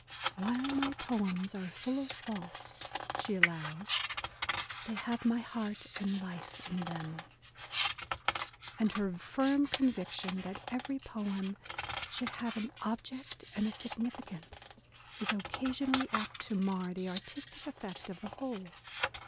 While my poems are full of faults," she allows, ... they have my heart and life iu them." And her firm conviction that every poem should have an object and a significance," is occasionally apt to mar the artistic effect of the whole.